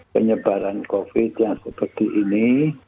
penyebaran covid sembilan belas yang seperti ini